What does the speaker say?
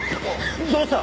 どうした！？